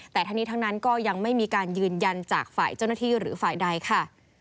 แต่ทั้งนี้ทั้งนั้นก็ยังไม่มีการยืนยันจากฝ่ายเจ้าหน้าที่หรือฝ่ายใดค่ะ